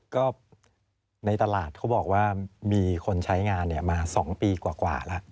ก็ในตลาดเขาบอกว่ามีคนใช้งานมา๒ปีกว่าแล้ว